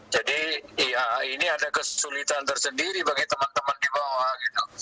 jadi ini ada kesulitan tersendiri bagi teman teman di bawah